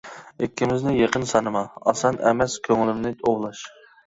ئىككىمىزنى يېقىن سانىما، ئاسان ئەمەس كۆڭلۈمنى ئوۋلاش.